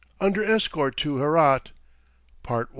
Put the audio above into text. UNDER ESCORT TO HERAT.